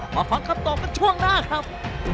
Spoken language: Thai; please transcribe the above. ฟังคำตอบกันช่วงหน้าครับ